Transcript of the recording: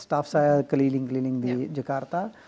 staff saya keliling keliling di jakarta